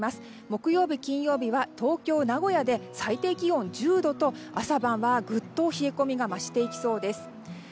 木曜日、金曜日は東京、名古屋で最低気温が１０度と朝晩はグッと冷え込みが増していきそうです。